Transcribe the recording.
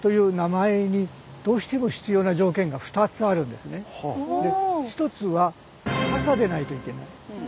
まず一つは坂でないといけない。